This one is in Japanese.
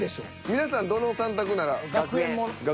皆さんどの３択なら。